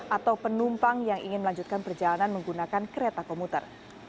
atau penumpang yang ingin melanjutkan perjalanan menggunakan kereta komuter